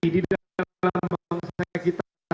di dalam bangsa kita